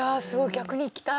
逆に行きたい。